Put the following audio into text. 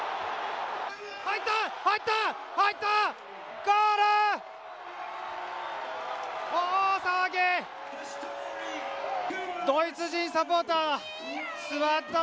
入った！